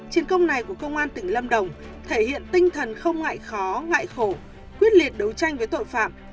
chiến công này của công an tỉnh lâm đồng thể hiện tinh thần không ngại khó ngại khổ quyết liệt đấu tranh với tội phạm